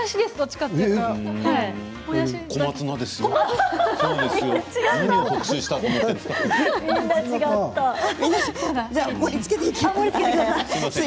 小松菜です。